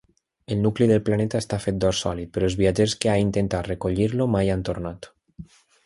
El nucli del planeta està fet d'or sòlid, però els viatgers que ha intentat recollir-lo mai han tornat.